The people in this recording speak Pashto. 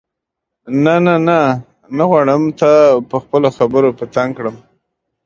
نه نه نه غواړم تا په خپلو خبرو په تنګ کړم.